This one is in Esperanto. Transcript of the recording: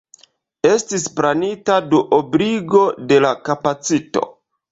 Estis planita duobligo de la kapacito.